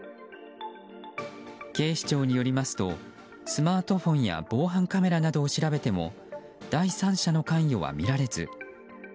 警視庁によりますとスマートフォンや防犯カメラなどを調べても第三者の関与は見られず。